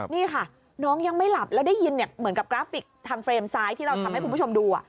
นี่ค่ะน้องยังไม่หลับแล้วได้ยินเหมือนกับกราฟิกทางเฟรมซ้ายที่เราทำให้คุณผู้ชมดู